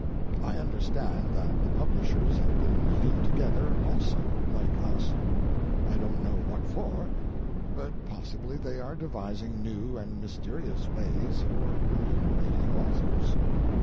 I understand that the publishers have been meeting together also like us. I don't know what for, but possibly they are devising new and mysterious ways for remunerating authors.